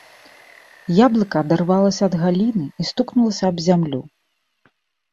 Яблыка адарвалася ад галіны і стукнулася аб зямлю.